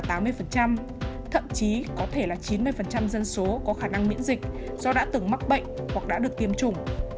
thậm chí có thể là chín mươi dân số có khả năng miễn dịch do đã từng mắc bệnh hoặc đã được tiêm chủng